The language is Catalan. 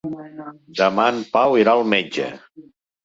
Demà en Pau irà al metge.